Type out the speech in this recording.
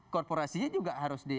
korporasinya juga harus di